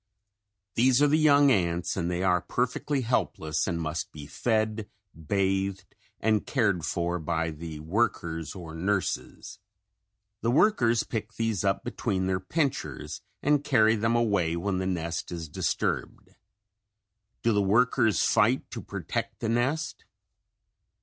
These are the young ants and they are perfectly helpless and must be fed, bathed and cared for by the workers or nurses. The workers pick these up between their pinchers and carry them away when the nest is disturbed. Do the workers fight to protect the nest?